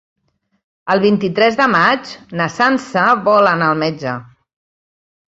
El vint-i-tres de maig na Sança vol anar al metge.